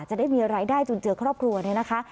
จะได้มีรายได้จนเจอครอบครัวเนี่ยนะคะ